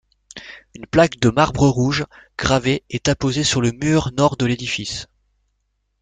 Une plaque de marbre rouge gravée est apposée sur le mur nord de l'édifice.